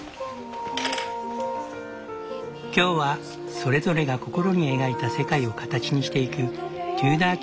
今日はそれぞれが心に描いた世界を形にしていくテューダー